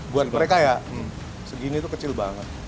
buat mereka ya segini itu kecil banget